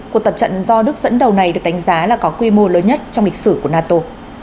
cuộc tập trận do đức dẫn đầu này được đánh giá là có quy mô lớn nhất trong lịch sử của nato